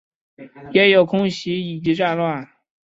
也有空袭以及战乱